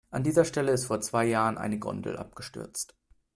An dieser Stelle ist vor zwei Jahren eine Gondel abgestürzt.